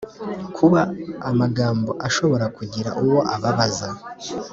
Kuba amagambo ashobora kugira uwo ababaza